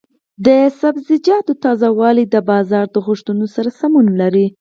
د سبزیجاتو تازه والي د بازار د غوښتنو سره سمون لري.